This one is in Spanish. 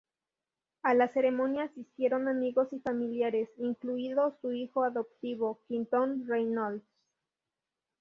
A la ceremonia asistieron amigos y familiares, incluido su hijo adoptivo Quinton Reynolds.